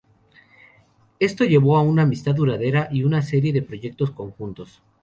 Esto llevó a una amistad duradera y una serie de proyectos conjuntos.